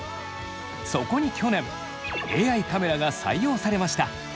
そこに去年ＡＩカメラが採用されました。